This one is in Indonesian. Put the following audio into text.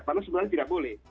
karena sebenarnya tidak boleh